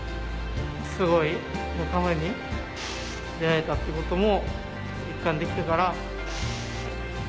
すごい仲間に出会えたってことも実感できたから。